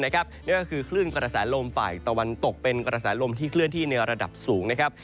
นี่ก็คือคลื่นกระสานลมฝ่ายตะวันตกเป็นกระสานลมที่เคลื่อนที่ในระดับสูง